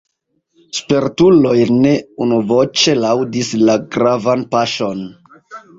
Spertuloj ne unuvoĉe laŭdis la gravan paŝon.